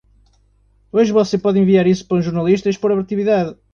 Hoje você pode enviar isso para um jornalista e expor a atividade.